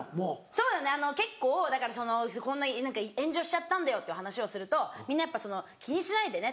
そうだね結構だからそのこんな炎上しちゃったんだよっていう話をするとみんなやっぱ「気にしないでね」